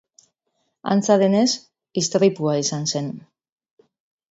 Antza denez, istripua izan zen.